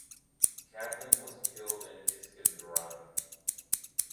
Kaplan was killed in Iskenderun.